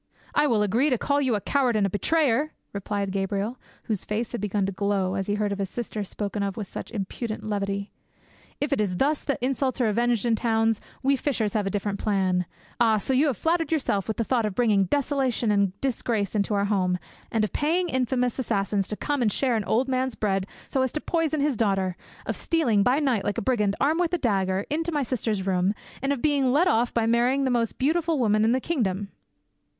"I will agree to call you a coward and a betrayer!" replied Gabriel, whose face had begun to glow, as he heard his sister spoken of with such impudent levity. "If it is thus that insults are avenged in towns, we fishers have a different plan. Ah! so you flattered yourself with the thought of bringing desolation aid disgrace into our home, and of paying infamous assassins to come and share an old man's bread so as to poison his daughter, of stealing by night, like a brigand, armed with a dagger, into my sister's room, and of being let off by marrying the most beautiful woman in the kingdom!"